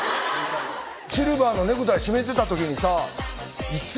「シルバーのネクタイ締めてた時にさ」。